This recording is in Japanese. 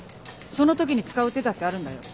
その時に使う手だってあるんだよ？